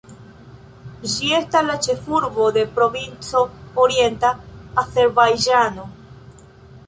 Ĝi estas la ĉefurbo de provinco Orienta Azerbajĝano.